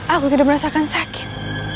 aku tidak merasakan sakit